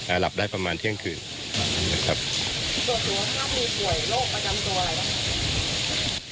อ่าหลับได้ประมาณเที่ยงคืนนะครับตรวจส่วนถ้างั้นมีป่วยโรคประจำตัวอะไรนะครับ